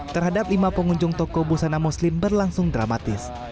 terhadap lima pengunjung toko busana muslim berlangsung dramatis